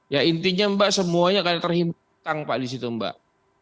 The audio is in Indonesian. ya intinya mbak semuanya karena terhimpit utang pak di situ mbak